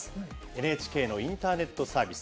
ＮＨＫのインターネットのサービス